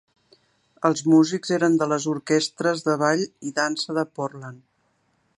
Els músics eren de les orquestres de ball i dansa de Portland.